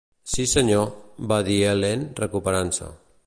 "Sí, senyor", va dir l'Helene, recuperant-se.